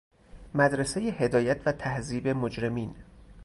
مدرسه هدایت و تهذیب مجرمین